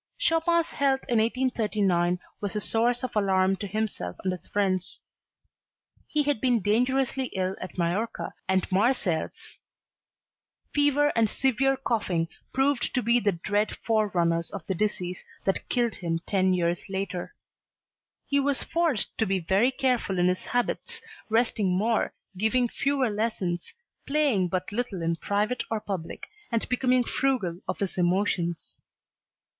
Chopin's health in 1839 was a source of alarm to himself and his friends. He had been dangerously ill at Majorca and Marseilles. Fever and severe coughing proved to be the dread forerunners of the disease that killed him ten years later. He was forced to be very careful in his habits, resting more, giving fewer lessons, playing but little in private or public, and becoming frugal of his emotions.